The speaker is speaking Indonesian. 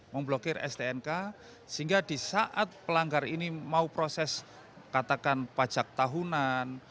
memblokir stnk sehingga di saat pelanggar ini mau proses katakan pajak tahunan